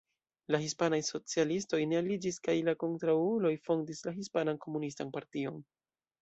La hispanaj socialistoj ne aliĝis kaj la kontraŭuloj fondis la Hispanan Komunistan Partion.